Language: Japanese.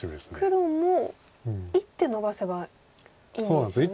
黒も１手のばせばいいんですよね。